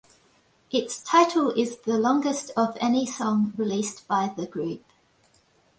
Its title is the longest of any song released by the group.